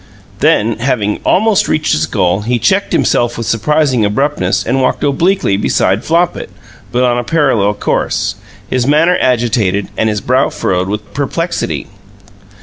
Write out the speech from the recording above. Then, having almost reached his goal, he checked himself with surprising abruptness and walked obliquely beside Flopit, but upon a parallel course, his manner agitated and his brow furrowed with perplexity.